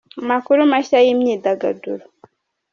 Amakuru mashya y’Imyidagaduro